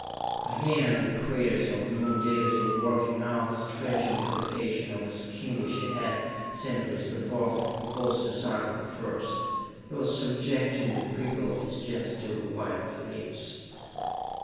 For here in the craters of the Moon Dalis was working out a strange amplification of the scheme which he had, centuries before, proposed to Sarka the First. He was subjecting the people of his Gens to the white flames.